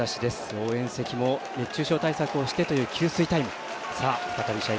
応援席も熱中症対策をしてという給水タイム。